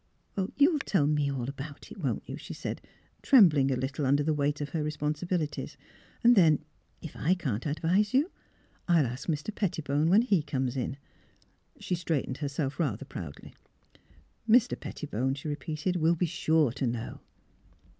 " You'll tell me all about it, won't you? " she said, trembling a little under the weight of her responsibilities. '' Then, if I can't advise you, I'll ask Mr. Pettibone when he comes in." She straightened herself rather proudly. '' Mr. Pettibone," she repeated, " will be sure to know."